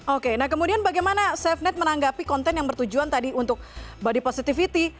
oke nah kemudian bagaimana safenet menanggapi konten yang bertujuan tadi untuk body positivity